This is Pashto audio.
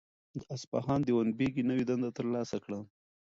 د اصفهان دیوان بیګي نوی دنده ترلاسه کړه.